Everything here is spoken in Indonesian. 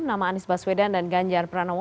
nama anies baswedan dan ganjar pranowo